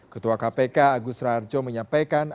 ketua kpk agus rarjo menyampaikan